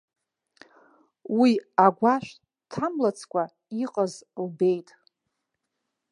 Уи агәашә дҭамлацкәа иҟаз лбеит.